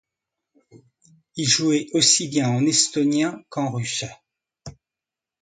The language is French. Il jouait aussi bien en estonien qu'en russe.